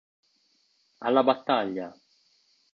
Alla battaglia!